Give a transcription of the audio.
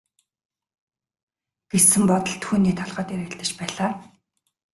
гэсэн бодол түүний толгойд эргэлдэж байлаа.